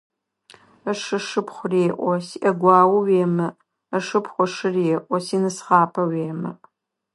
Ышы ышыпхъу реӀо: «СиӀэгуао уемыӀ», ышыпхъу ышы реӀо: «Синысхъапэ уемыӀ».